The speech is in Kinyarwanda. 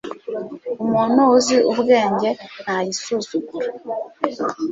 umuntu uzi ubwenge ntayisuzugura